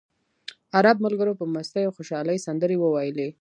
عرب ملګرو په مستۍ او خوشالۍ سندرې وویلې.